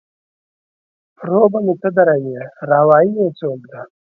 پر و به مې ته دروې ، را وا يي يې څوک؟